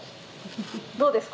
どうですか？